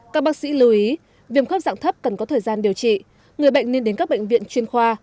các bác sĩ lưu ý viêm khớp dạng thấp cần có thời gian điều trị người bệnh nên đến các bệnh viện chuyên khoa